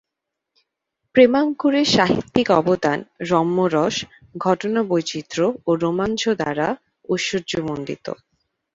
প্রেমাঙ্কুরের সাহিত্যিক অবদান রম্যরস, ঘটনাবৈচিত্র্য ও রোমাঞ্চ দ্বারা ঐশ্বর্যমন্ডিত।